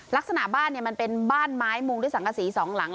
ลักษณะบ้านมันเป็นบ้านไม้มุงด้วยสังกษีสองหลัง